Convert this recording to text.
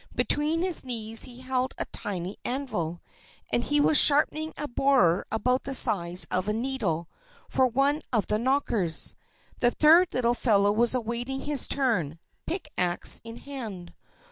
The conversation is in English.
Between his knees he held a tiny anvil, and he was sharpening a borer about the size of a needle, for one of the Knockers. The third little fellow was awaiting his turn, pick axe in hand.